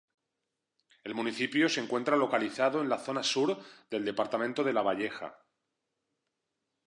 El municipio se encuentra localizado en la zona sur del departamento de Lavalleja.